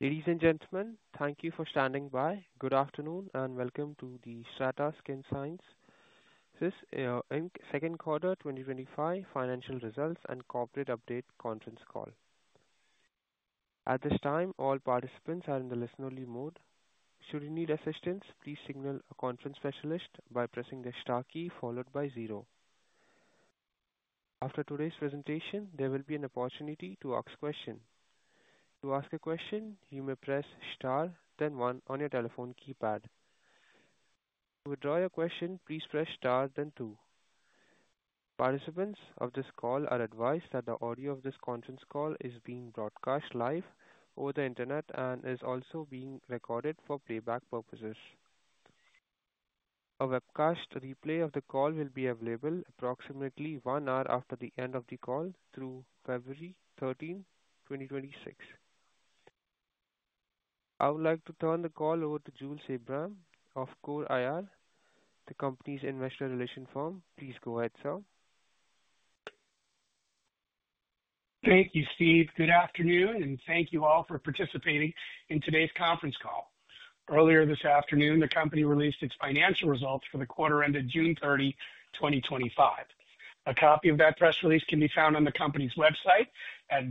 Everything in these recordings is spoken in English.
Ladies and gentlemen, thank you for standing by. Good afternoon and welcome to the Strata Skin Sciences Second Quarter 2025 Financial Results and Corporate Update Conference Call. At this time, all participants are in the listen-only mode. Should you need assistance, please signal a conference specialist by pressing the star key followed by zero. After today's presentation, there will be an opportunity to ask a question. To ask a question, you may press star, then one on your telephone keypad. To withdraw your question, please press star, then two. Participants of this call are advised that the audio of this conference call is being broadcast live over the internet and is also being recorded for playback purposes. A webcast replay of the call will be available approximately one hour after the end of the call through February 13, 2026. I would like to turn the call over to Jules Abraham of CORE IR, the company's investor relations firm. Please go ahead, sir. Thank you, Steve. Good afternoon, and thank you all for participating in today's conference call. Earlier this afternoon, the company released its financial results for the quarter ended June 30, 2025. A copy of that press release can be found on the company's website at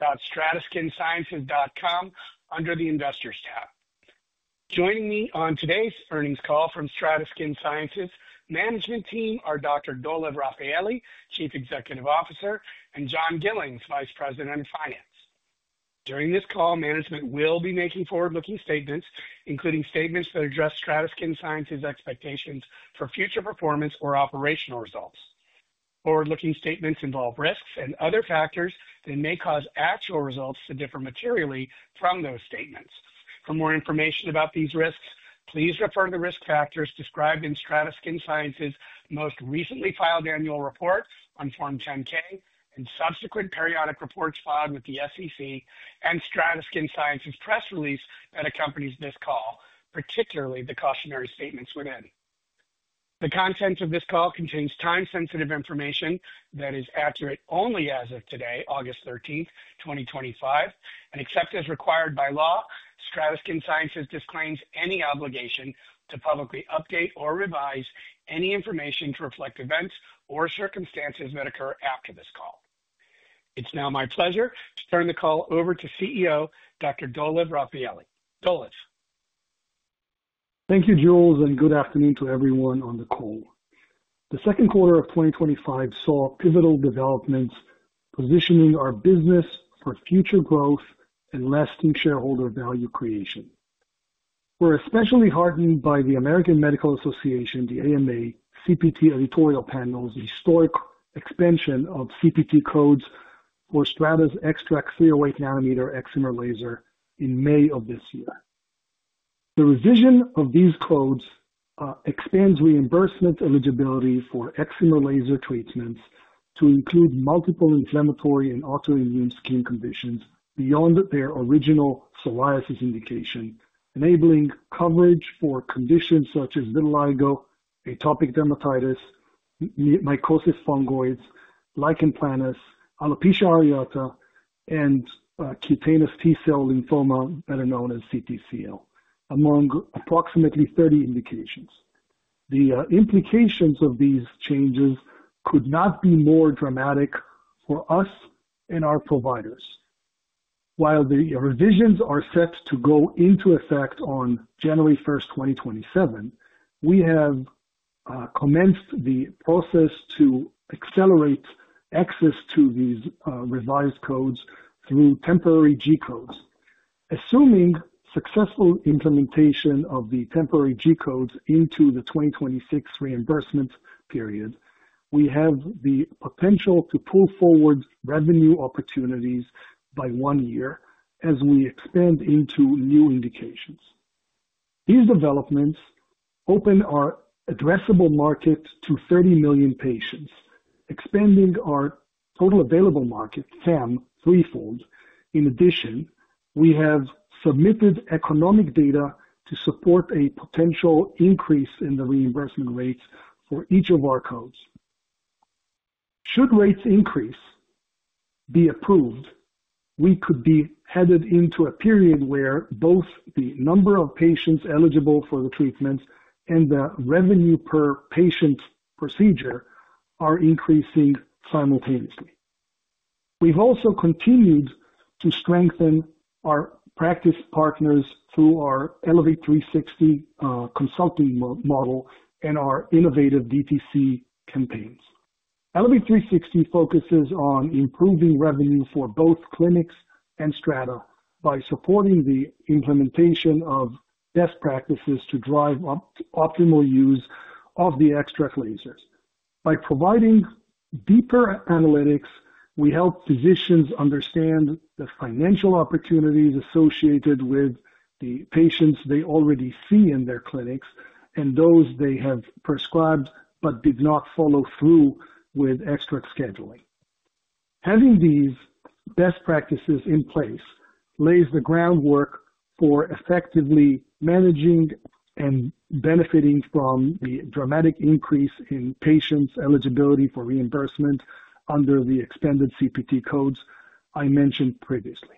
www.strataskinsciences.com under the Investors tab. Joining me on today's earnings call from Strata Skin Sciences' management team are Dr. Dolev Rafaeli, Chief Executive Officer, and John Gillings, Vice President of Finance. During this call, management will be making forward-looking statements, including statements that address Strata Skin Sciences' expectations for future performance or operational results. Forward-looking statements involve risks and other factors that may cause actual results to differ materially from those statements. For more information about these risks, please refer to the risk factors described in Strata Skin Sciences' most recently filed annual report on Form 10-K and subsequent periodic reports filed with the SEC and Strata Skin Sciences' press release that accompanies this call, particularly the cautionary statements within. The contents of this call contain time-sensitive information that is accurate only as of today, August 13, 2025, and except as required by law, Strata Skin Sciences disclaims any obligation to publicly update or revise any information to reflect events or circumstances that occur after this call. It's now my pleasure to turn the call over to CEO Dr. Dolev Rafaeli. Dolev. Thank you, Jules, and good afternoon to everyone on the call. The second quarter of 2025 saw pivotal developments positioning our business for future growth and lasting shareholder value creation. We're especially heartened by the American Medical Association, the AMA, CPT editorial panel's historic expansion of CPT codes for STRATA XTRAC 308nm excimer laser in May of this year. The revision of these codes expands reimbursement eligibility for excimer laser treatments to include multiple inflammatory and autoimmune skin conditions beyond their original psoriasis indication, enabling coverage for conditions such as vitiligo, atopic dermatitis, mycosis fungoides, lichen planus, alopecia areata, and cutaneous T-cell lymphoma, better known as CTCL, among approximately 30 indications. The implications of these changes could not be more dramatic for us and our providers. While the revisions are set to go into effect on January 1, 2027, we have commenced the process to accelerate access to these revised codes through temporary G codes. Assuming successful implementation of the temporary G codes into the 2026 reimbursement period, we have the potential to pull forward revenue opportunities by one year as we expand into new indications. These developments open our addressable market to 30 million patients, expanding our total available market, TAM, threefold. In addition, we have submitted economic data to support a potential increase in the reimbursement rates for each of our codes. Should rates increase, be approved, we could be headed into a period where both the number of patients eligible for the treatments and the revenue per patient procedure are increasing simultaneously. We've also continued to strengthen our practice partners through our Elevate360 consulting model and our innovative DTC campaigns. Elevate360 focuses on improving revenue for both clinics and Strata by supporting the implementation of best practices to drive optimal use of the XTRAC lasers. By providing deeper analytics, we help physicians understand the financial opportunities associated with the patients they already see in their clinics and those they have prescribed but did not follow through with XTRAC scheduling. Having these best practices in place lays the groundwork for effectively managing and benefiting from the dramatic increase in patients' eligibility for reimbursement under the expanded CPT codes I mentioned previously.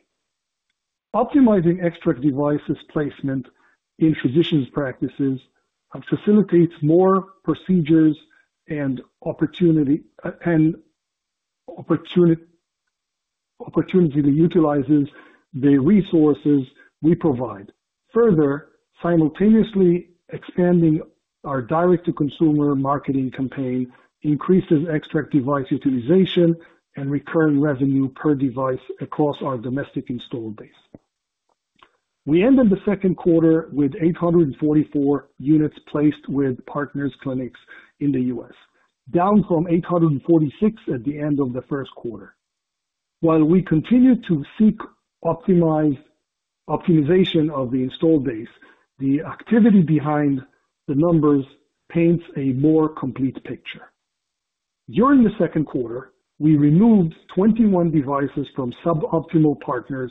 Optimizing XTRAC devices placement in physicians' practices facilitates more procedures and opportunity to utilize the resources we provide. Further, simultaneously expanding our direct-to-consumer marketing campaign increases XTRAC device utilization and recurring revenue per device across our domestic installed base. We ended the second quarter with 844 units placed with partners' clinics in the U.S., down from 846 units at the end of the first quarter. While we continue to seek optimization of the installed base, the activity behind the numbers paints a more complete picture. During the second quarter, we removed 21 devices from suboptimal partners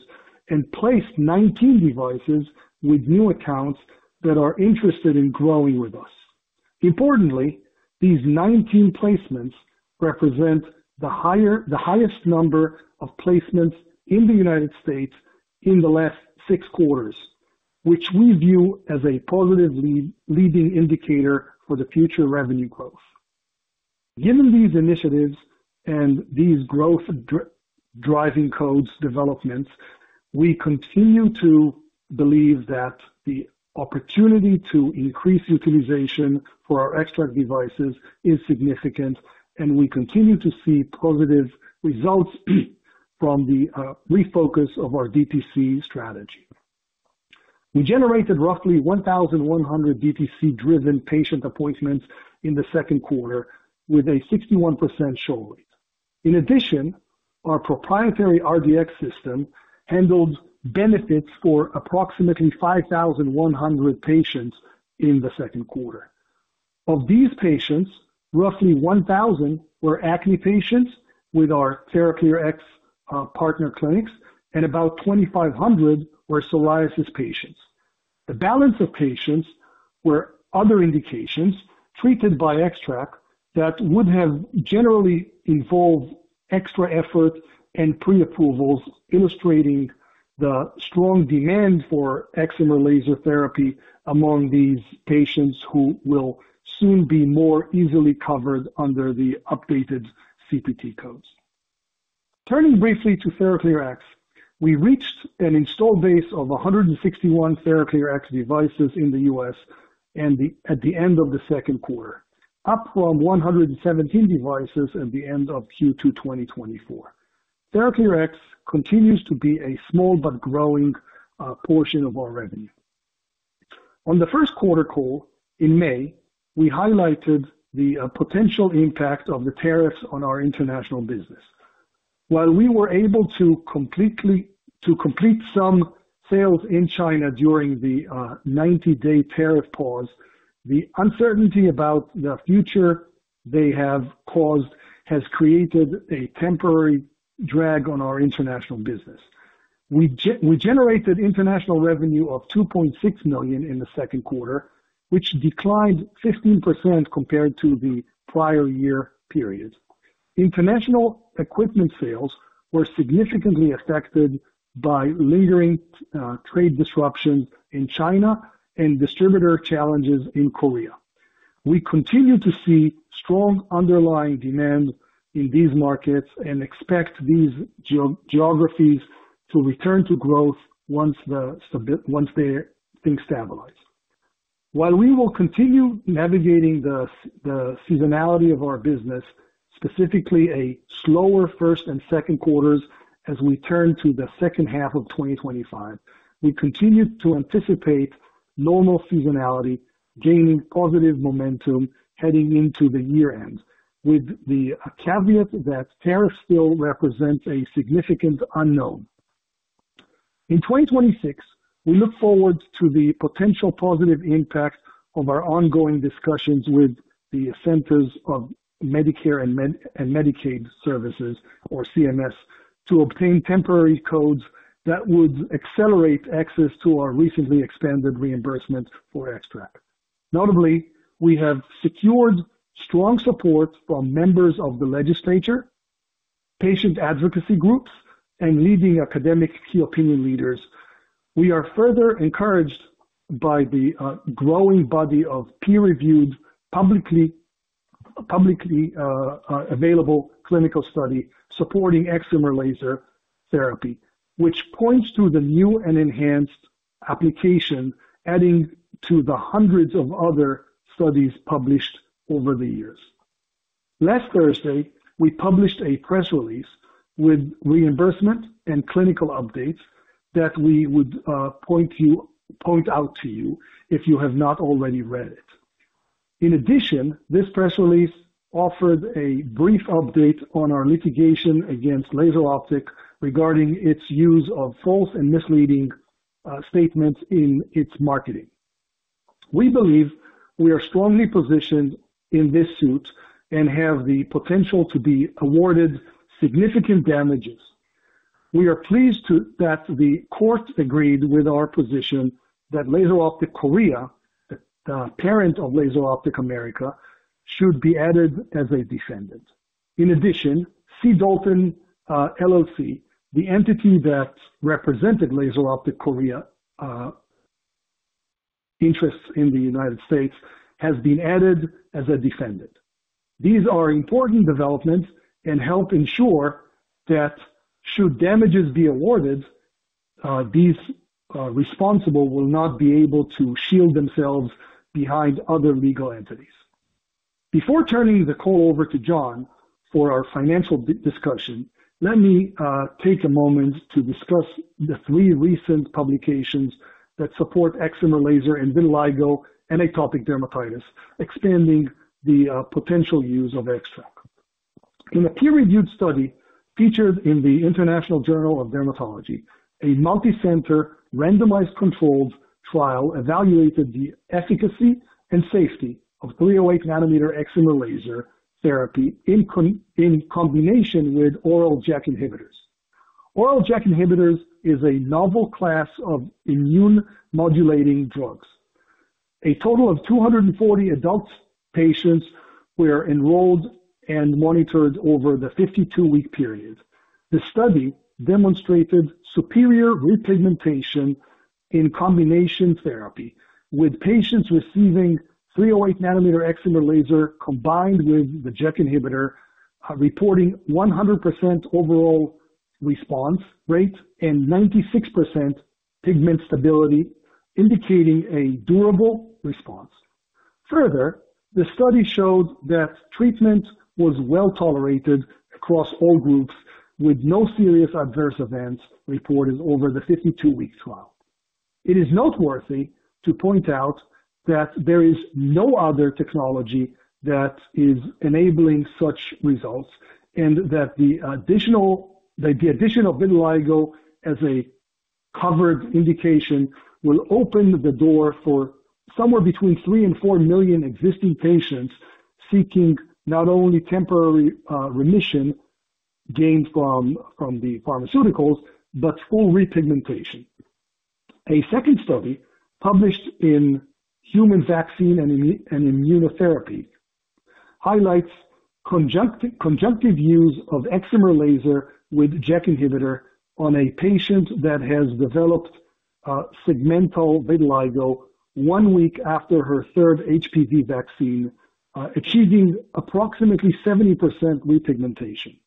and placed 19 devices with new accounts that are interested in growing with us. Importantly, these 19 placements represent the highest number of placements in the United States in the last six quarters, which we view as a positively leading indicator for future revenue growth. Given these initiatives and these growth-driving codes' developments, we continue to believe that the opportunity to increase utilization for our XTRAC devices is significant, and we continue to see positive results from the refocus of our DTC strategy. We generated roughly 1,100 DTC-driven patient appointments in the second quarter with a 61% show rate. In addition, our proprietary RDX system handled benefits for approximately 5,100 patients in the second quarter. Of these patients, roughly 1,000 were acne patients with our TheraClearX partner clinics, and about 2,500 were psoriasis patients. The balance of patients were other indications treated by XTRAC that would have generally involved extra effort and pre-approvals, illustrating the strong demand for excimer laser therapy among these patients who will soon be more easily covered under the updated CPT codes. Turning briefly to TheraClearX, we reached an installed base of 161 TheraClearX devices in the U.S. at the end of the second quarter, up from 117 devices at the end of Q2 2023. TheraClearX continues to be a small but growing portion of our revenue. On the first quarter call in May, we highlighted the potential impact of the tariffs on our international business. While we were able to complete some sales in China during the 90-day tariff pause, the uncertainty about the future they have caused has created a temporary drag on our international business. We generated international revenue of $2.6 million in the second quarter, which declined 15% compared to the prior year period. International equipment sales were significantly affected by lingering trade disruption in China and distributor challenges in Korea. We continue to see strong underlying demand in these markets and expect these geographies to return to growth once things stabilize. While we will continue navigating the seasonality of our business, specifically a slower first and second quarters as we turn to the second half of 2025, we continue to anticipate normal seasonality gaining positive momentum heading into the year-end, with the caveat that tariffs still represent a significant unknown. In 2026, we look forward to the potential positive impact of our ongoing discussions with the Centers for Medicare & Medicaid Services, or CMS, to obtain temporary G codes that would accelerate access to our recently expanded reimbursement for XTRAC. Notably, we have secured strong support from members of the legislature, patient advocacy groups, and leading academic key opinion leaders. We are further encouraged by the growing body of peer-reviewed, publicly available clinical study supporting excimer laser therapy, which points to the new and enhanced application adding to the hundreds of other studies published over the years. Last Thursday, we published a press release with reimbursement and clinical updates that we would point out to you if you have not already read it. In addition, this press release offered a brief update on our litigation against LaserOptec regarding its use of false and misleading statements in its marketing. We believe we are strongly positioned in this suit and have the potential to be awarded significant damages. We are pleased that the court agreed with our position that LaserOptec Korea, the parent of LaserOptec America, should be added as a defendant. In addition, C. Dalton, LLC, the entity that represented LaserOptec Korea's interests in the United States, has been added as a defendant. These are important developments and help ensure that should damages be awarded, these responsible will not be able to shield themselves behind other legal entities. Before turning the call over to John for our financial discussion, let me take a moment to discuss the three recent publications that support excimer laser in vitiligo and atopic dermatitis, expanding the potential use of XTRAC. In a peer-reviewed study featured in the International Journal of Dermatology, a multicenter, randomized controlled trial evaluated the efficacy and safety of 308 nm Excimer Laser therapy in combination with oral JAK inhibitors. Oral JAK inhibitors are a novel class of immune-modulating drugs. A total of 240 adult patients were enrolled and monitored over the 52-week period. The study demonstrated superior repigmentation in combination therapy, with patients receiving 308 nm. Excimer Laser combined with the JAK inhibitor reporting a 100% overall response rate and 96% pigment stability, indicating a durable response. Further, the study showed that treatment was well tolerated across all groups with no serious adverse events reported over the 52-week trial. It is noteworthy to point out that there is no other technology that is enabling such results and that the addition of vitiligo as a covered indication will open the door for somewhere between 3 million-4 million existing patients seeking not only temporary remission gained from the pharmaceuticals but full repigmentation. A second study published in Human Vaccine and Immunotherapy highlights conjunctive use of Excimer Laser with JAK inhibitor on a patient that has developed segmental vitiligo one week after her third HPV vaccine, achieving approximately 70% repigmentation.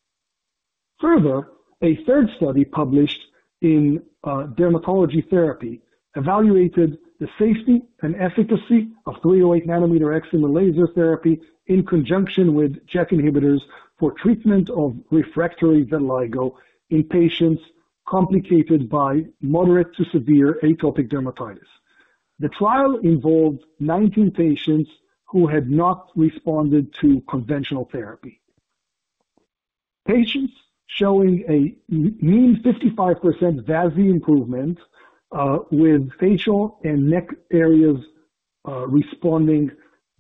Further, a third study published in Dermatology Therapy evaluated the safety and efficacy of 308 nm Excimer Laser therapy in conjunction with JAK inhibitors for treatment of refractory vitiligo in patients complicated by moderate to severe atopic dermatitis. The trial involved 19 patients who had not responded to conventional therapy. Patients showing a mean 55% VASI improvement, with facial and neck areas responding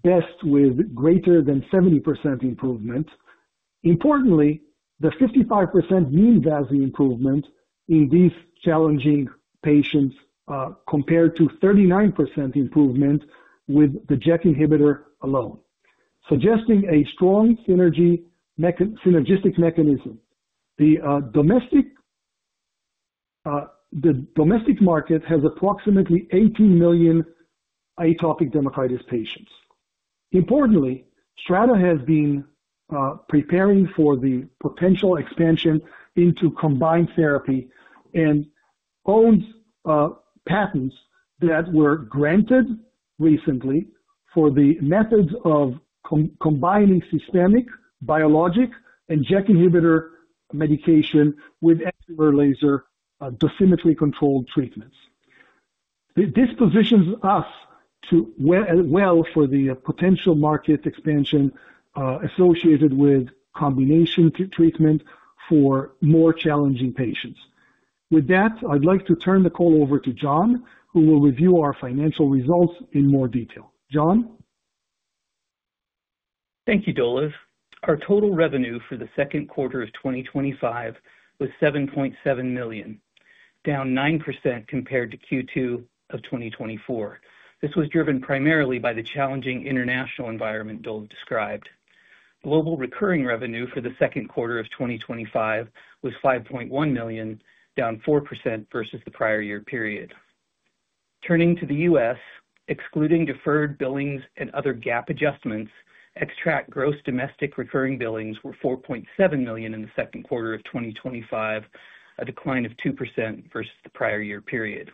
best with greater than 70% improvement. Importantly, the 55% mean VASI improvement in these challenging patients compared to 39% improvement with the JAK inhibitor alone, suggesting a strong synergistic mechanism. The domestic market has approximately 18 million atopic dermatitis patients. Importantly, STRATA has been preparing for the potential expansion into combined therapy and owns patents that were granted recently for the methods of combining systemic, biologic, and JAK inhibitor medication with Excimer Laser dosimetry-controlled treatments. This positions us well for the potential market expansion associated with combination treatment for more challenging patients. With that, I'd like to turn the call over to John, who will review our financial results in more detail. John? Thank you, Dolev. Our total revenue for the second quarter of 2025 was $7.7 million, down 9% compared to Q2 of 2024. This was driven primarily by the challenging international environment Dolev described. Global recurring revenue for the second quarter of 2025 was $5.1 million, down 4% versus the prior year period. Turning to the U.S., excluding deferred billings and other GAAP adjustments, XTRAC gross domestic recurring billings were $4.7 million in the second quarter of 2025, a decline of 2% versus the prior year period.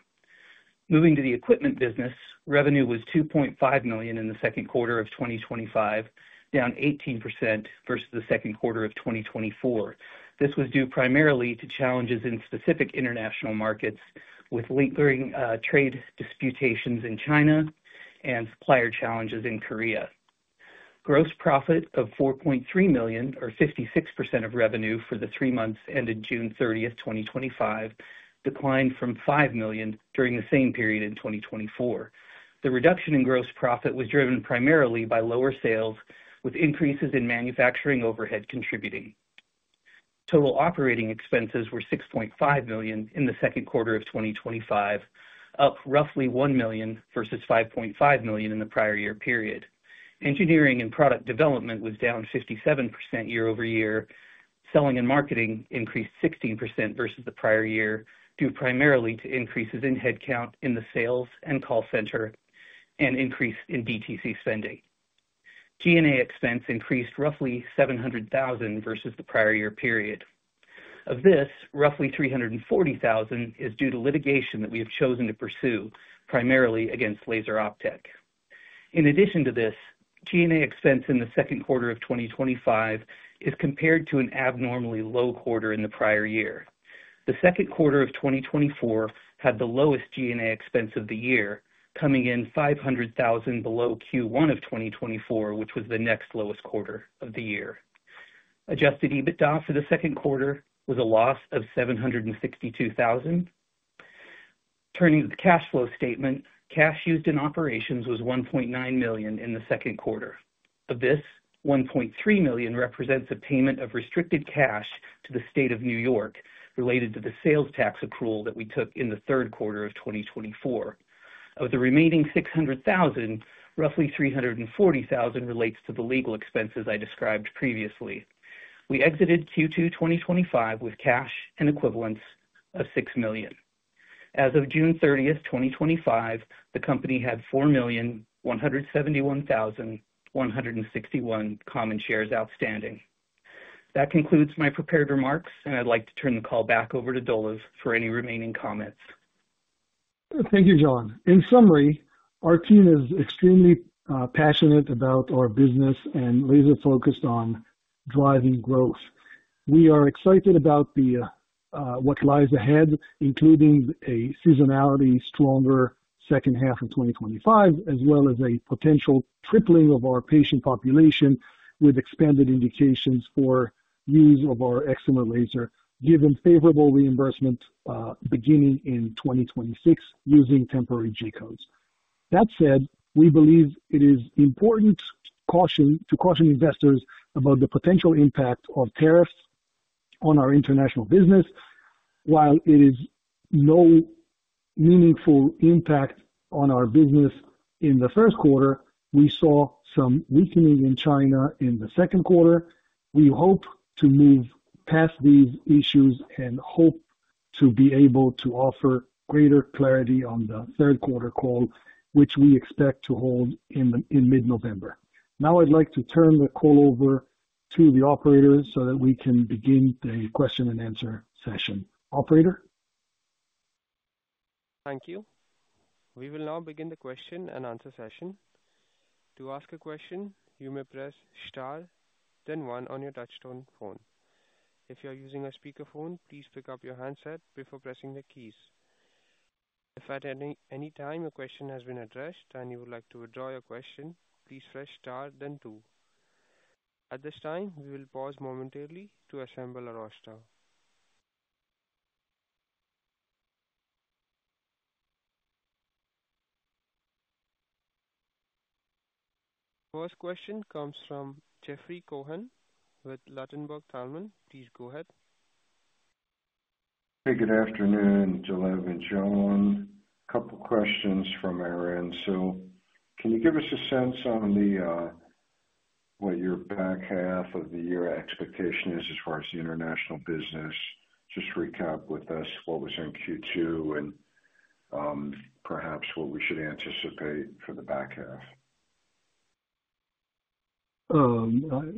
Moving to the equipment business, revenue was $2.5 million in the second quarter of 2025, down 18% versus the second quarter of 2024. This was due primarily to challenges in specific international markets, with lingering trade disputations in China and supplier challenges in Korea. Gross profit of $4.3 million, or 56% of revenue for the three months ended June 30, 2025, declined from $5 million during the same period in 2024. The reduction in gross profit was driven primarily by lower sales, with increases in manufacturing overhead contributing. Total operating expenses were $6.5 million in the second quarter of 2025, up roughly $1 million versus $5.5 million in the prior year period. Engineering and product development was down 57% year-over-year. Selling and marketing increased 16% versus the prior year, due primarily to increases in headcount in the sales and call center and increase in DTC spending. G&A expense increased roughly $700,000 versus the prior year period. Of this, roughly $340,000 is due to litigation that we have chosen to pursue, primarily against LaserOptec. In addition to this, G&A expense in the second quarter of 2025 is compared to an abnormally low quarter in the prior year. The second quarter of 2024 had the lowest G&A expense of the year, coming in $500,000 below Q1 of 2024, which was the next lowest quarter of the year. Adjusted EBITDA for the second quarter was a loss of $762,000. Turning to the cash flow statement, cash used in operations was $1.9 million in the second quarter. Of this, $1.3 million represents a payment of restricted cash to the state of New York related to the sales tax accrual that we took in the third quarter of 2024. Of the remaining $600,000, roughly $340,000 relates to the legal expenses I described previously. We exited Q2 2025 with cash and equivalents of $6 million. As of June 30, 2025, the company had 4,171,161 common shares outstanding. That concludes my prepared remarks, and I'd like to turn the call back over to Dolev for any remaining comments. Thank you, John. In summary, our team is extremely passionate about our business and laser-focused on driving growth. We are excited about what lies ahead, including a seasonally stronger second half of 2025, as well as a potential tripling of our patient population with expanded indications for the use of our Excimer Laser, given favorable reimbursement beginning in 2026 using temporary G codes. That said, we believe it is important to caution investors about the potential impact of tariffs on our international business. While it had no meaningful impact on our business in the first quarter, we saw some weakening in China in the second quarter. We hope to move past these issues and hope to be able to offer greater clarity on the third quarter call, which we expect to hold in mid-November. Now I'd like to turn the call over to the operator so that we can begin the question and answer session. Operator? Thank you. We will now begin the question-and-answer session. To ask a question, you may press star, then one on your touch-tone phone. If you are using a speakerphone, please pick up your handset before pressing the keys. If at any time a question has been addressed and you would like to withdraw your question, please press star, then two. At this time, we will pause momentarily to assemble our staff. First question comes from Jeffrey Cohen with Ladenburg Thalmann. Please go ahead. Hey, good afternoon, Jules and John. A couple of questions from our end. Can you give us a sense on what your back half of the year expectation is as far as the international business? Just recap with us what was in Q2 and perhaps what we should anticipate for the back half.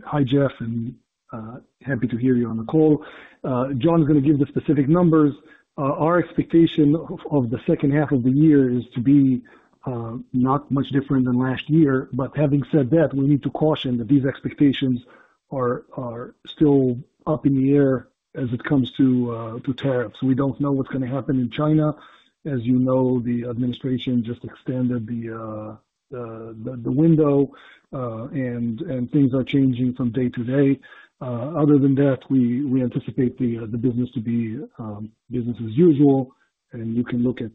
Hi, Jeff, and happy to hear you on the call. John's going to give the specific numbers. Our expectation of the second half of the year is to be not much different than last year. Having said that, we need to caution that these expectations are still up in the air as it comes to tariffs. We don't know what's going to happen in China. As you know, the administration just extended the window, and things are changing from day to day. Other than that, we anticipate the business to be business as usual. You can look at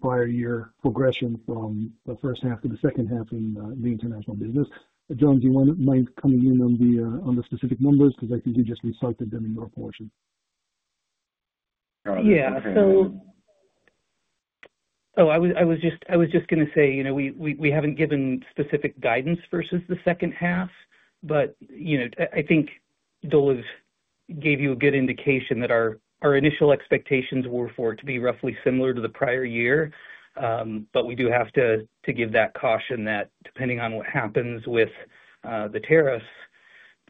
prior year progression from the first half to the second half in the international business. John, do you mind coming in on the specific numbers because I think you just recited them in your portion? Yeah, I was just going to say, you know, we haven't given specific guidance versus the second half, but I think Dolev gave you a good indication that our initial expectations were for it to be roughly similar to the prior year. We do have to give that caution that depending on what happens with the tariffs,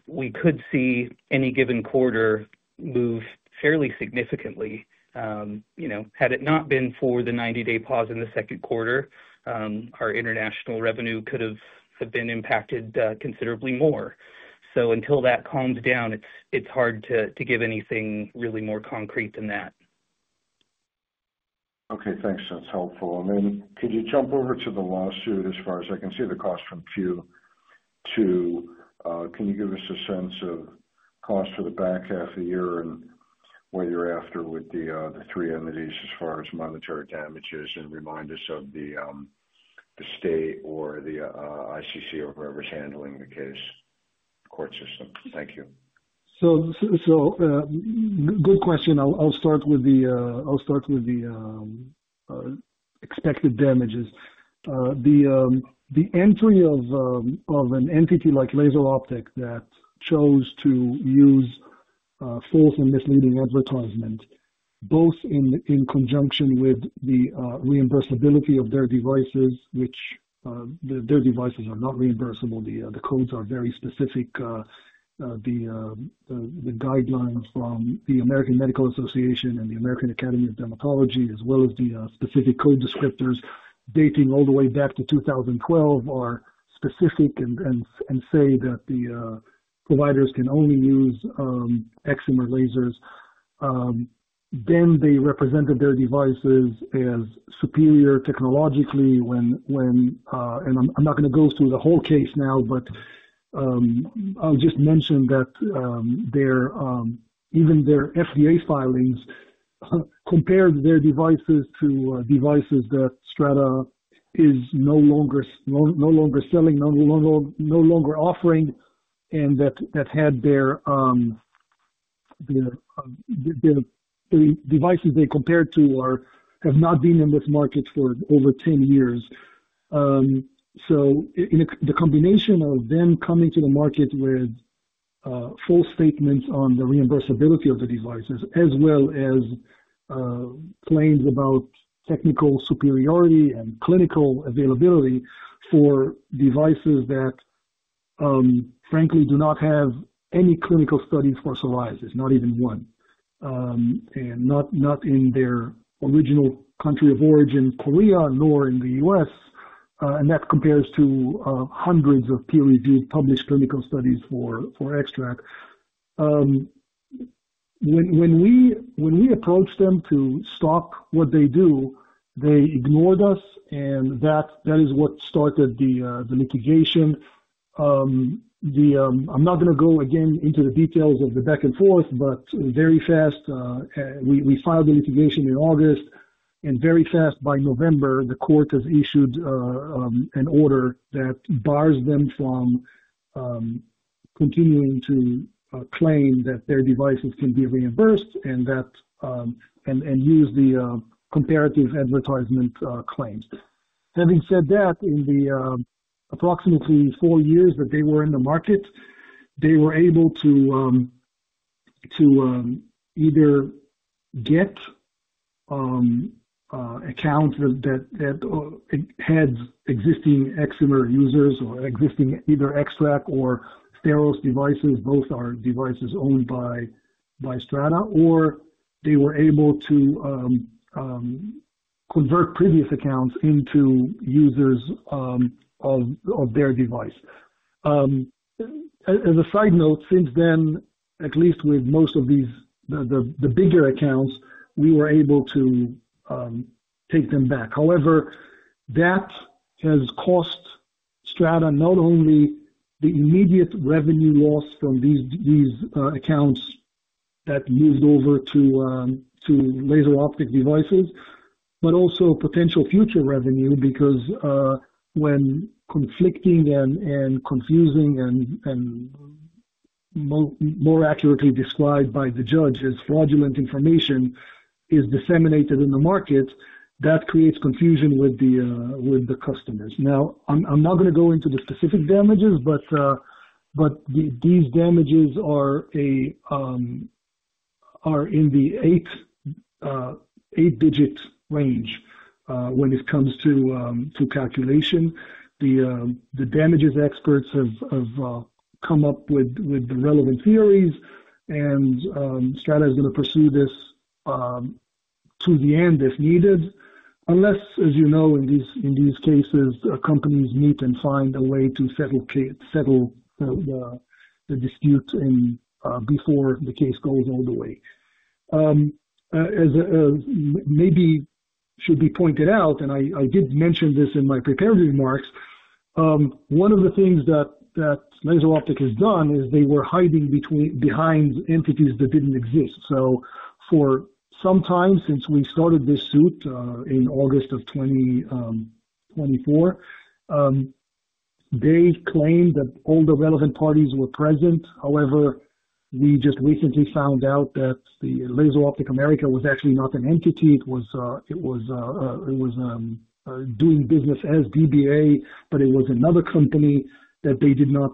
we could see any given quarter move fairly significantly. Had it not been for the 90-day pause in the second quarter, our international revenue could have been impacted considerably more. Until that calms down, it's hard to give anything really more concrete than that. Okay. Thanks. That's helpful. Could you jump over to the last sheet? As far as I can see, the cost from Q to, can you give us a sense of cost for the back half of the year and what you're after with the three entities as far as monetary damages, and remind us of the state or the ICC or whoever's handling the case court system? Thank you. Good question. I'll start with the expected damages. The entry of an entity like LaserOptec that chose to use false and misleading advertisement, both in conjunction with the reimbursability of their devices, which their devices are not reimbursable. The codes are very specific. The guidelines from the American Medical Association and the American Academy of Dermatology, as well as the specific code descriptors dating all the way back to 2012, are specific and say that the providers can only use excimer lasers. They represented their devices as superior technologically when, and I'm not going to go through the whole case now, but I'll just mention that even their FDA filings compared their devices to devices that Strata is no longer selling, no longer offering, and that had their devices they compared to have not been in this market for over 10 years. The combination of them coming to the market with false statements on the reimbursability of the devices, as well as claims about technical superiority and clinical availability for devices that frankly do not have any clinical studies for psoriasis, not even one, and not in their original country of origin, Korea, nor in the United States, and that compares to hundreds of peer-reviewed published clinical studies for XTRAC. When we approached them to stop what they do, they ignored us, and that is what started the litigation. I'm not going to go again into the details of the back and forth. Very fast, we filed the litigation in August, and very fast by November, the court has issued an order that bars them from continuing to claim that their devices can be reimbursed and use the comparative advertisement claims. Having said that, in the approximately four years that they were in the market, they were able to either get accounts that had existing excimer users or existing either XTRAC or steroids devices, both are devices owned by Strata, or they were able to convert previous accounts into users of their device. As a side note, since then, at least with most of these bigger accounts, we were able to take them back. However, that has cost Strata not only the immediate revenue loss from these accounts that moved over to LaserOptec devices, but also potential future revenue because when conflicting and confusing and more accurately described by the judge as fraudulent information is disseminated in the market, that creates confusion with the customers. Now, I'm not going to go into the specific damages, but these damages are in the eight-digit range when it comes to calculation. The damages experts have come up with the relevant theories, and Strata is going to pursue this to the end if needed, unless, as you know, in these cases, companies meet and find a way to settle the dispute before the case goes all the way. As maybe should be pointed out, and I did mention this in my prepared remarks, one of the things that LaserOptec has done is they were hiding behind entities that didn't exist. For some time since we started this suit in August of 2024, they claimed that all the relevant parties were present. However, we just recently found out that LaserOptec America was actually not an entity. It was doing business as DBA, but it was another company that they did not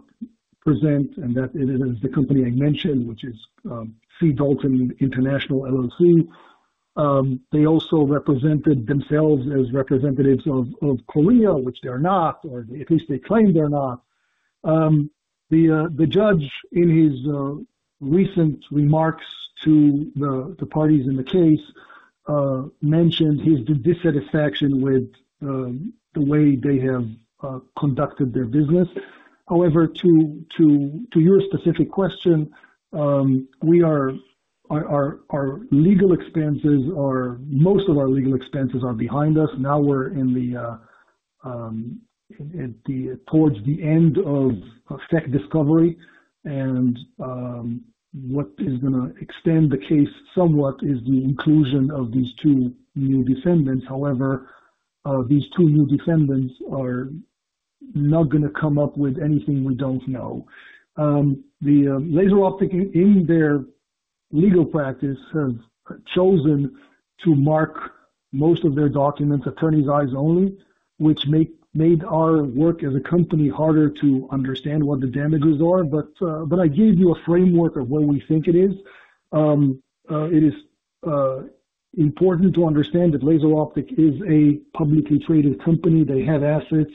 present, and that it is the company I mentioned, which is C. Dalton International, LLC. They also represented themselves as representatives of Korea, which they're not, or at least they claim they're not. The judge, in his recent remarks to the parties in the case, mentioned his dissatisfaction with the way they have conducted their business. However, to your specific question, our legal expenses, most of our legal expenses are behind us. Now we're towards the end of SEC discovery, and what is going to extend the case somewhat is the inclusion of these two new defendants. These two new defendants are not going to come up with anything we don't know. LaserOptec, in their legal practice, has chosen to mark most of their documents attorney's eyes only, which made our work as a company harder to understand what the damages are. I gave you a framework of where we think it is. It is important to understand that LaserOptec is a publicly traded company. They have assets,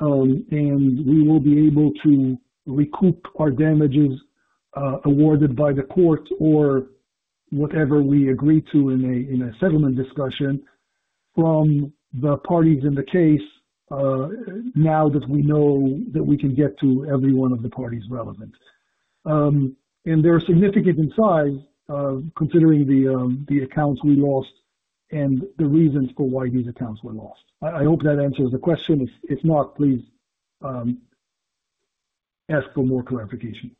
and we will be able to recoup our damages awarded by the court or whatever we agreed to in a settlement discussion from the parties in the case now that we know that we can get to every one of the parties relevant. They're significant in size, considering the accounts we lost and the reasons for why these accounts were lost. I hope that answers the question. If not, please ask for more clarification.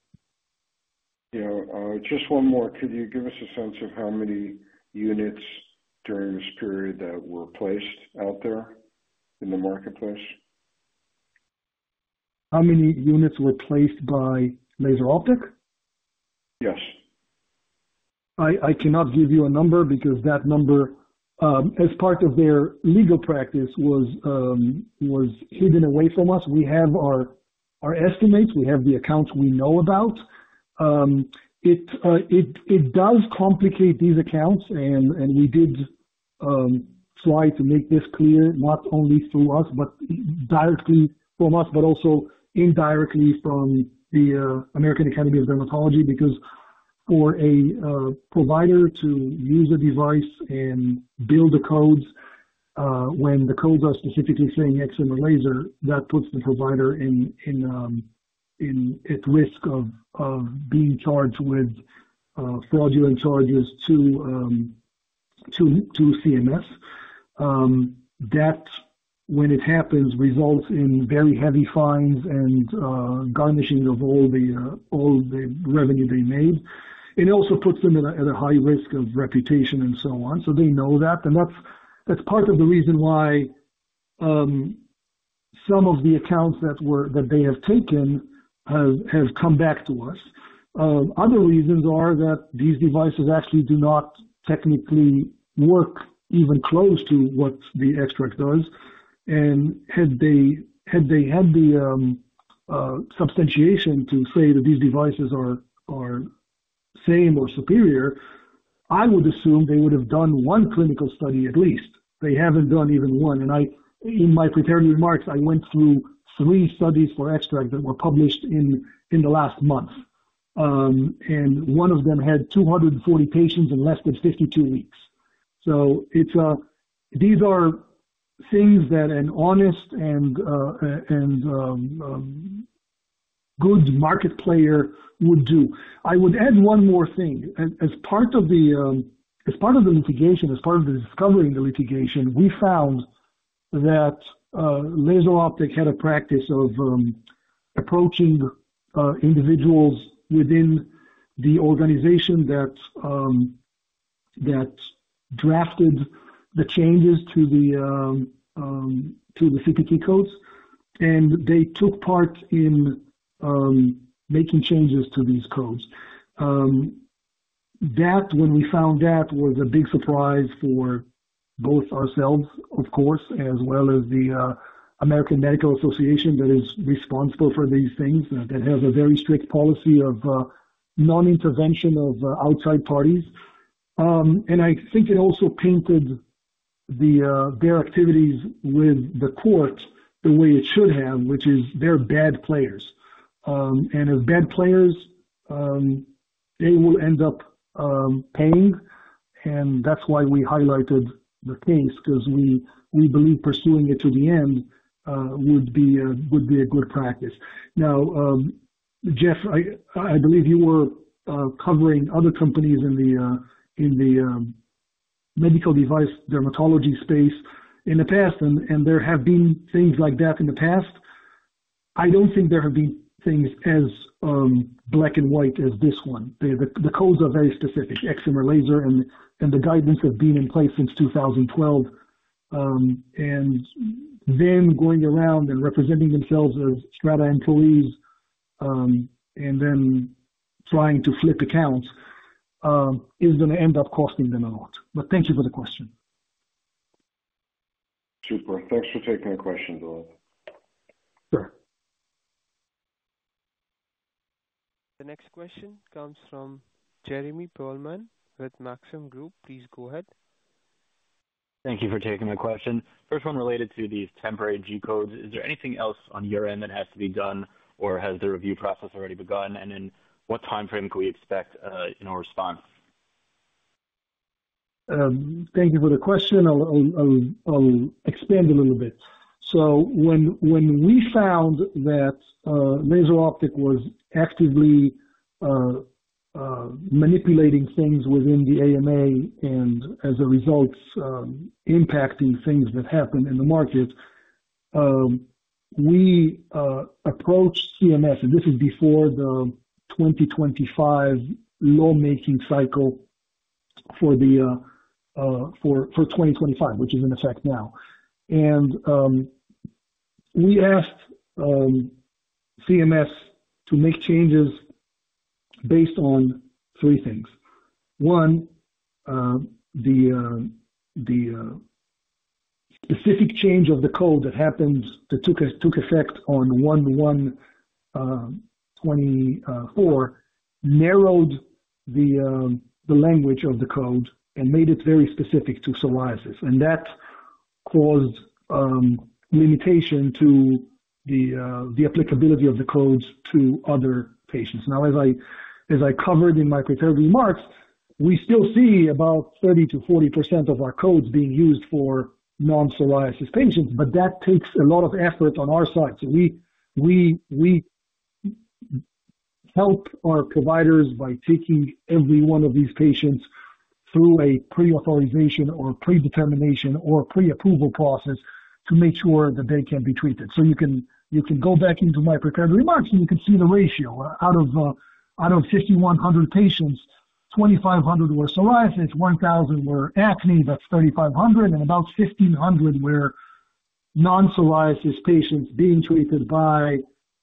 Could you give us a sense of how many units during this period that were placed out there in the marketplace? How many units were placed by LaserOptec? Yes. I cannot give you a number because that number, as part of their legal practice, was hidden away from us. We have our estimates. We have the accounts we know about. It does complicate these accounts, and we did try to make this clear, not only through us, but directly from us, but also indirectly from the American Academy of Dermatology, because for a provider to use a device and bill the codes, when the codes are specifically saying Excimer Laser, that puts the provider at risk of being charged with fraudulent charges to CMS. That, when it happens, results in very heavy fines and garnishing of all the revenue they made. It also puts them at a high risk of reputation and so on. They know that. That's part of the reason why some of the accounts that they have taken have come back to us. Other reasons are that these devices actually do not technically work even close to what the XTRAC does. Had they had the substantiation to say that these devices are same or superior, I would assume they would have done one clinical study at least. They haven't done even one. In my prepared remarks, I went through three studies for XTRAC that were published in the last month. One of them had 240 patients in less than 52 weeks. These are things that an honest and good market player would do. I would add one more thing. As part of the litigation, as part of the discovery in the litigation, we found that LaserOptec had a practice of approaching individuals within the organization that drafted the changes to the CPT codes. They took part in making changes to these codes. When we found that, it was a big surprise for both ourselves, of course, as well as the American Medical Association that is responsible for these things, that has a very strict policy of non-intervention of outside parties. I think it also painted their activities with the court the way it should have, which is they're bad players. If bad players, they will end up paying. That's why we highlighted the kinks, because we believe pursuing it to the end would be a good practice. Now, Jeff, I believe you were covering other companies in the medical device dermatology space in the past, and there have been things like that in the past. I don't think there have been things as black and white as this one. The codes are very specific, Excimer Laser, and the guidance has been in place since 2012. Them going around and representing themselves as STRATA employees and then trying to flip accounts is going to end up costing them a lot. Thank you for the question. Super. Thanks for taking the question, Dolev. Sure. The next question comes from Jeremy Pearlman with Maxim Group. Please go ahead. Thank you for taking my question. First one related to these temporary G codes. Is there anything else on your end that has to be done, or has the review process already begun? In what timeframe could we expect a response? Thank you for the question. I'll expand a little bit. When we found that LaserOptec was actively manipulating things within the American Medical Association and as a result impacting things that happened in the market, we approached CMS, and this is before the 2025 law-making cycle for 2025, which is in effect now. We asked CMS to make changes based on three things. One, the specific change of the code that happened that took effect on 1/1/2024 narrowed the language of the code and made it very specific to psoriasis. That caused limitation to the applicability of the codes to other patients. As I covered in my prepared remarks, we still see about 30%-40% of our codes being used for non-psoriasis patients, but that takes a lot of effort on our side. We help our providers by taking every one of these patients through a pre-authorization or predetermination or pre-approval process to make sure that they can be treated. You can go back into my prepared remarks and you can see the ratio. Out of 5,100 patients, 2,500 were psoriasis, 1,000 were acne, that's 3,500, and about 1,500 were non-psoriasis patients being treated by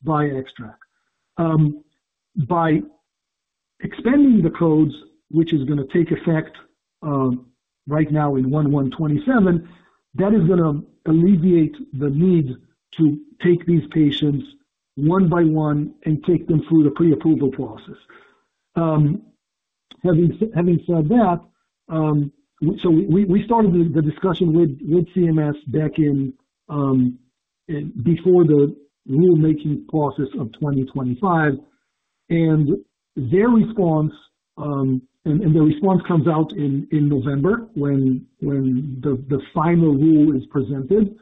XTRAC. By expanding the codes, which is going to take effect right now in 1/1/2027, that is going to alleviate the need to take these patients one by one and take them through the pre-approval process. Having said that, we started the discussion with CMS back in before the rulemaking process of 2025. Their response comes out in November when the final rule is presented.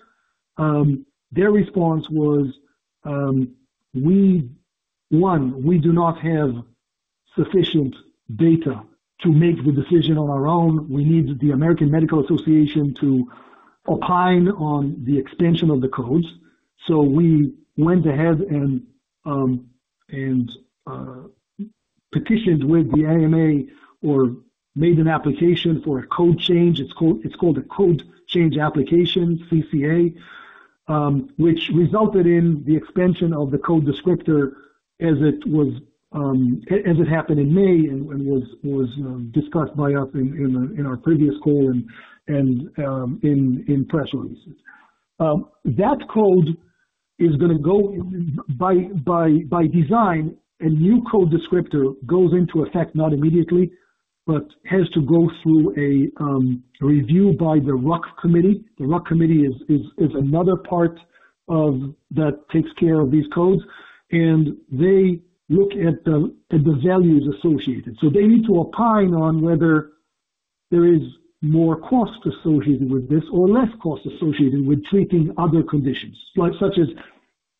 Their response was, one, we do not have sufficient data to make the decision on our own. We need the American Medical Association to opine on the expansion of the codes. We went ahead and petitioned with the American Medical Association or made an application for a code change. It's called a code change application, CCA, which resulted in the expansion of the code descriptor as it happened in May and was discussed by us in our previous call and in press releases. That code is going to go by design. A new code descriptor goes into effect not immediately, but has to go through a review by the RUC committee. The RUC committee is another part that takes care of these codes. They look at the values associated. They need to opine on whether there is more cost associated with this or less cost associated with treating other conditions, such as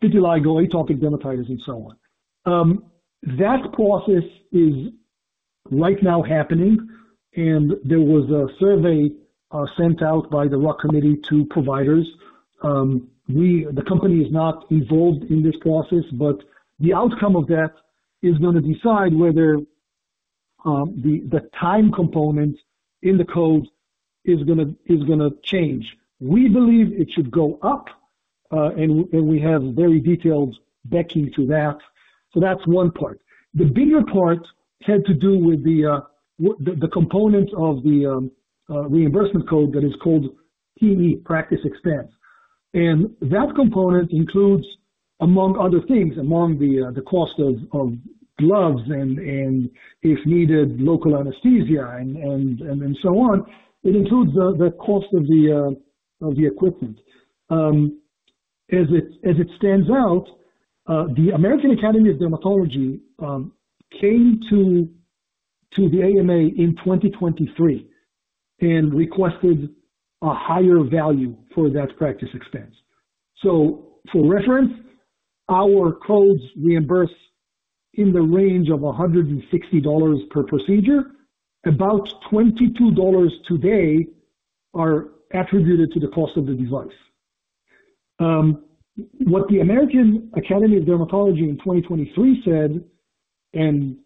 vitiligo, atopic dermatitis, and so on. That process is right now happening. There was a survey sent out by the RUC committee to providers. The company is not involved in this process, but the outcome of that is going to decide whether the time component in the code is going to change. We believe it should go up, and we have very detailed backing to that. That is one part. The bigger part had to do with the component of the reimbursement code that is called PE, Practice Expense. That component includes, among other things, the cost of gloves and, if needed, local anesthesia and so on. It includes the cost of the equipment. As it stands, the American Academy of Dermatology came to the American Medical Association in 2023 and requested a higher value for that practice expense. For reference, our codes reimburse in the range of $160 per procedure. About $22 today are attributed to the cost of the device. What the American Academy of Dermatology in 2023 said and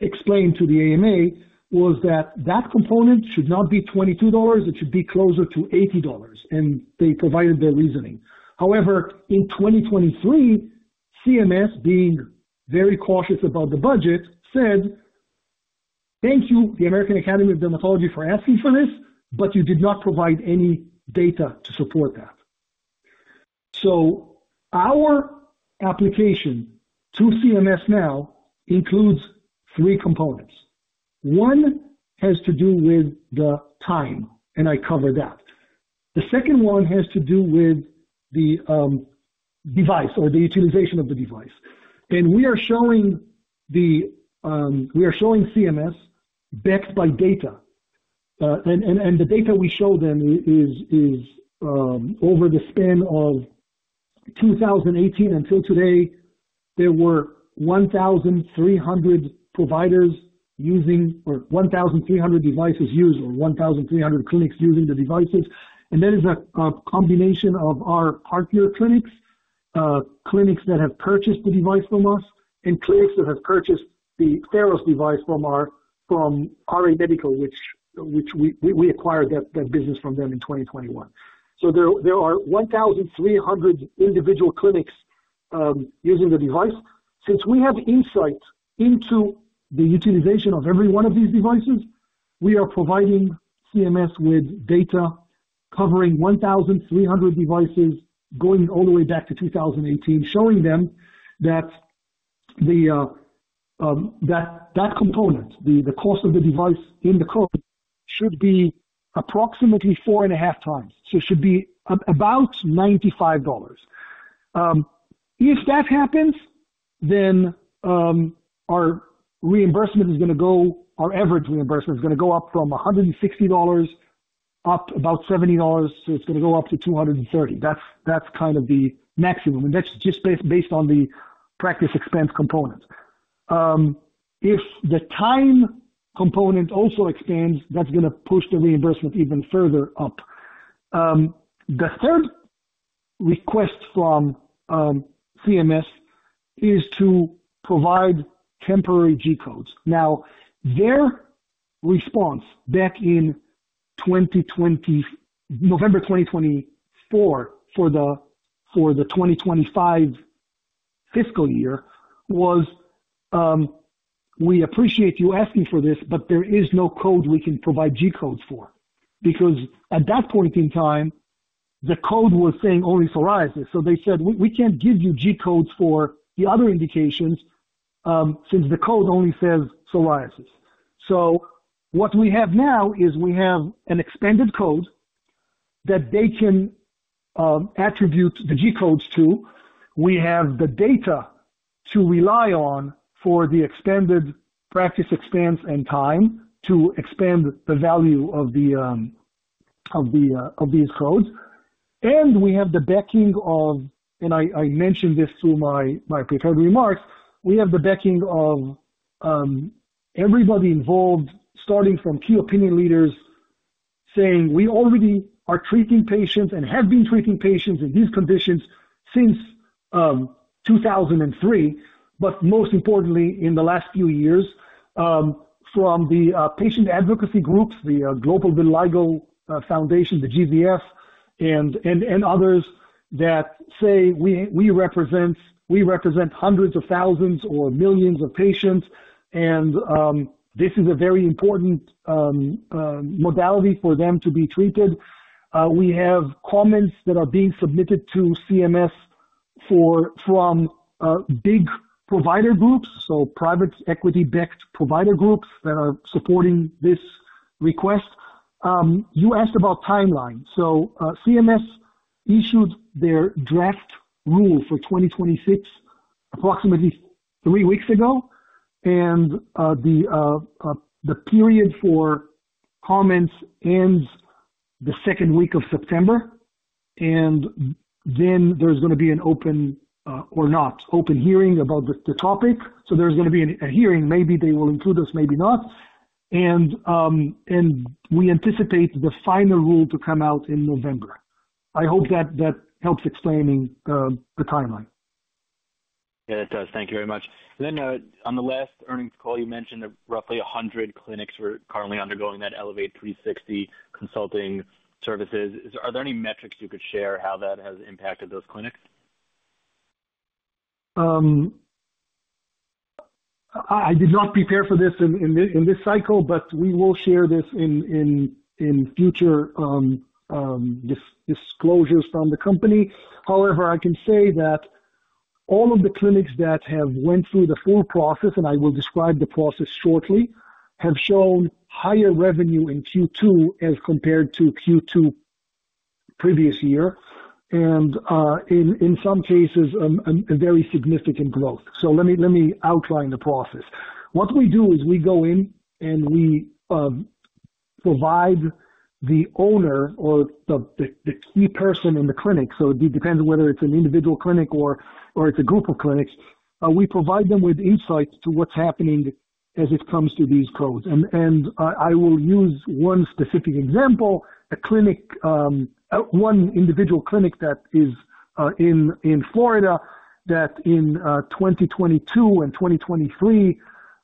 explained to the American Medical Association was that that component should not be $22. It should be closer to $80. They provided their reasoning. However, in 2023, CMS, being very cautious about the budget, said, "Thank you, the American Academy of Dermatology, for asking for this, but you did not provide any data to support that." Our application to CMS now includes three components. One has to do with the time, and I covered that. The second one has to do with the device or the utilization of the device. We are showing CMS bets by data. The data we show them is over the span of 2018 until today, there were 1,300 providers using or 1,300 devices used or 1,300 clinics using the devices. That is a combination of our partner clinics, clinics that have purchased the device from us, and clinics that have purchased the Theris device from RA Medical, which we acquired that business from them in 2021. There are 1,300 individual clinics using the device. Since we have insights into the utilization of every one of these devices, we are providing CMS with data covering 1,300 devices going all the way back to 2018, showing them that that component, the cost of the device in the code, should be approximately 4.5x. It should be about $95. If that happens, then our reimbursement is going to go, our average reimbursement is going to go up from $160 up to about $70. It is going to go up to $230. That is kind of the maximum. That is just based on the practice expense component. If the time component also expands, that is going to push the reimbursement even further up. The third request from CMS is to provide temporary G codes. Their response back in November 2024 for the 2025 fiscal year was, "We appreciate you asking for this, but there is no code we can provide G codes for." At that point in time, the code was saying only psoriasis. They said, "We can't give you G codes for the other indications since the code only says psoriasis." What we have now is an expanded code that they can attribute the G codes to. We have the data to rely on for the expanded practice expense and time to expand the value of these codes. We have the backing of, and I mentioned this through my prepared remarks, everybody involved, starting from key opinion leaders, saying, "We already are treating patients and have been treating patients in these conditions since 2003, but most importantly, in the last few years, from the patient advocacy groups, the Global Vitiligo Foundation, the GVF, and others that say we represent hundreds of thousands or millions of patients, and this is a very important modality for them to be treated." We have comments that are being submitted to CMS from big provider groups, private equity-backed provider groups that are supporting this request. You asked about timeline. CMS issued their draft rule for 2026 approximately three weeks ago. The period for comments ends the second week of September. There is going to be a hearing about the topic. Maybe they will include us, maybe not. We anticipate the final rule to come out in November. I hope that helps explain the timeline. Yeah, it does. Thank you very much. On the last earnings call, you mentioned that roughly 100 clinics were currently undergoing that Elevate360 consulting services. Are there any metrics you could share how that has impacted those clinics? I did not prepare for this in this cycle, but we will share this in future disclosures from the company. However, I can say that all of the clinics that have went through the full process, and I will describe the process shortly, have shown higher revenue in Q2 as compared to Q2 previous year. In some cases, a very significant growth. Let me outline the process. What we do is we go in and we provide the owner or the key person in the clinic. It depends on whether it's an individual clinic or it's a group of clinics. We provide them with insights to what's happening as it comes to these codes. I will use one specific example, a one individual clinic that is in Florida that in 2022 and 2023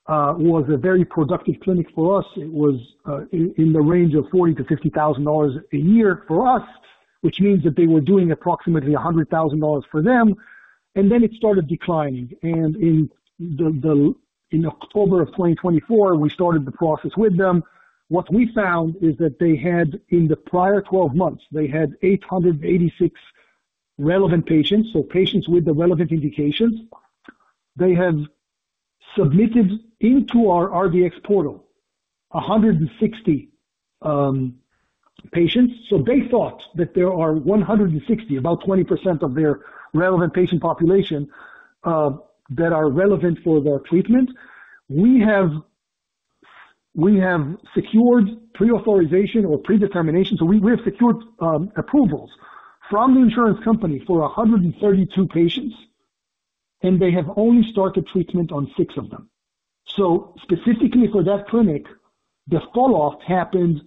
was a very productive clinic for us. It was in the range of $40,000-$50,000 a year for us, which means that they were doing approximately $100,000 for them. It started declining. In October of 2024, we started the process with them. What we found is that they had, in the prior 12 months, 886 relevant patients, so patients with the relevant indications. They have submitted into our RDX portal 160 patients. They thought that there are 160, about 20% of their relevant patient population that are relevant for their treatment. We have secured pre-authorization or predetermination. We have secured approvals from the insurance company for 132 patients, and they have only started treatment on six of them. Specifically for that clinic, the falloff happened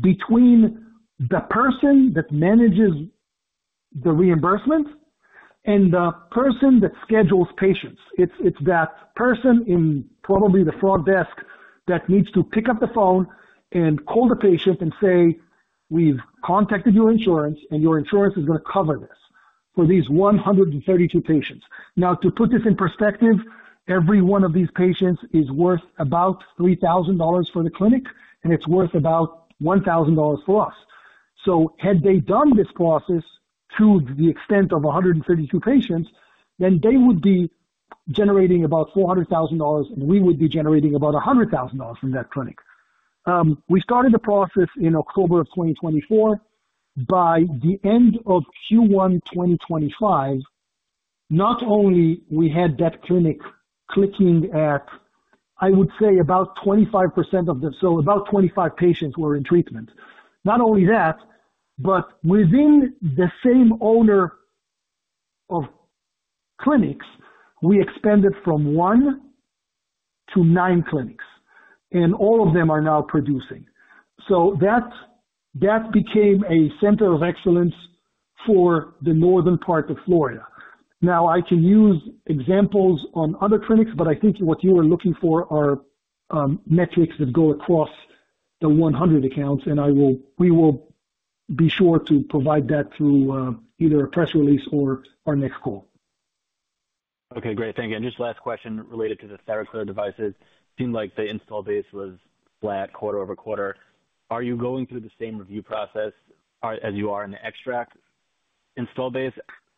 between the person that manages the reimbursement and the person that schedules patients. It's that person in probably the front desk that needs to pick up the phone and call the patient and say, "We've contacted your insurance, and your insurance is going to cover this for these 132 patients." To put this in perspective, every one of these patients is worth about $3,000 for the clinic, and it's worth about $1,000 for us. Had they done this process to the extent of 132 patients, then they would be generating about $400,000, and we would be generating about $100,000 from that clinic. We started the process in October of 2024. By the end of Q1 2025, not only we had that clinic clicking at, I would say, about 25% of them, so about 25 patients were in treatment. Not only that, but within the same owner of clinics, we expanded from one to nine clinics, and all of them are now producing. That became a center of excellence for the northern part of Florida. I can use examples on other clinics, but I think what you are looking for are metrics that go across the 100 accounts. We will be sure to provide that through either a press release or our next call. Okay. Great. Thank you. Just last question related to the Theraclear devices. It seemed like the install base was flat quarter over quarter. Are you going through the same review process as you are in the XTRAC install base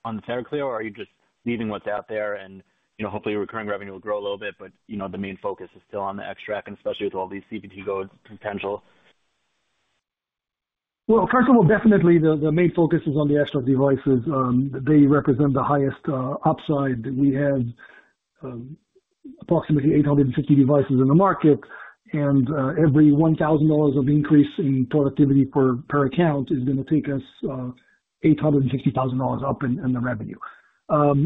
on the Theraclear, or are you just leaving what's out there and hopefully recurring revenue will grow a little bit, but the main focus is still on the XTRAC, especially with all these CPT codes potential? First of all, definitely, the main focus is on the XTRAC devices. They represent the highest upside. We have approximately 850 devices in the market, and every $1,000 of increase in productivity per account is going to take us $860,000 up in the revenue.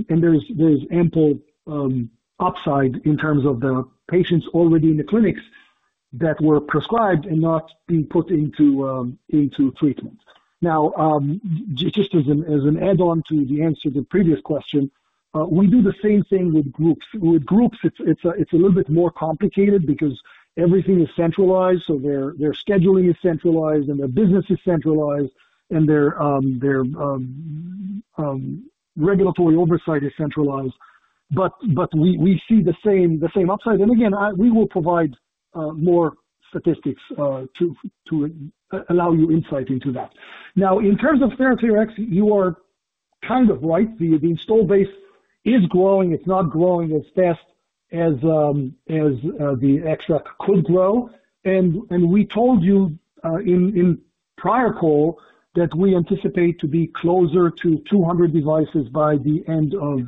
There's ample upside in terms of the patients already in the clinics that were prescribed and not being put into treatment. Just as an add-on to the answer to the previous question, we do the same thing with groups. With groups, it's a little bit more complicated because everything is centralized. Their scheduling is centralized, and their business is centralized, and their regulatory oversight is centralized. We see the same upside. Again, we will provide more statistics to allow you insight into that. In terms of TheraClearX, you are kind of right. The install base is growing. It's not growing as fast as the XTRAC could grow. We told you in the prior call that we anticipate to be closer to 200 devices by the end of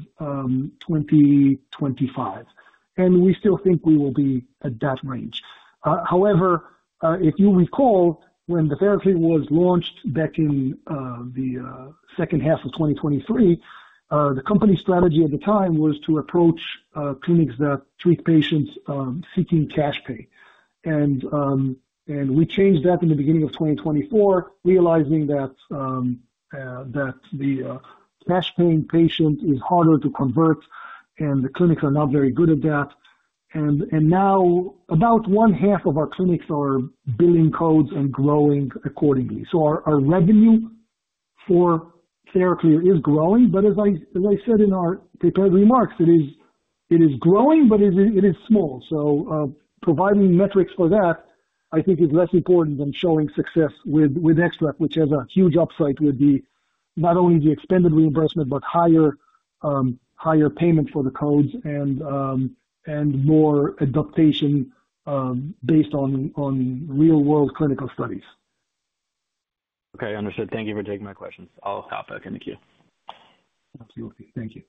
2025. We still think we will be at that range. However, if you recall, when the TheraClear was launched back in the second half of 2023, the company strategy at the time was to approach clinics that treat patients seeking cash pay. We changed that in the beginning of 2024, realizing that the cash-paying patient is harder to convert, and the clinics are not very good at that. Now, about 1/2 of our clinics are billing codes and growing accordingly. Our revenue for TheraClear is growing. As I said in our prepared remarks, it is growing, but it is small. Providing metrics for that, I think, is less important than showing success with XTRAC, which has a huge upside with not only the expanded reimbursement but higher payment for the codes and more adaptation based on real-world clinical studies. Okay. Understood. Thank you for taking my questions. I'll stop it in the queue. Absolutely. Thank you.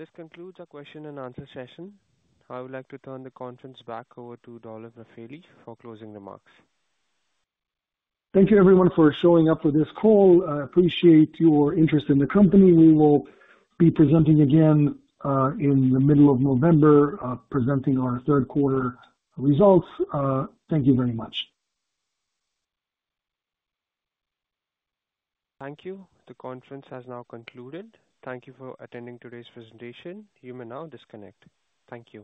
This concludes our question-and-answer session. I would like to turn the conference back over to Dolev Rafaeli for closing remarks. Thank you, everyone, for showing up for this call. I appreciate your interest in the company. We will be presenting again in the middle of November, presenting our third quarter results. Thank you very much. Thank you. The conference has now concluded. Thank you for attending today's presentation. You may now disconnect. Thank you.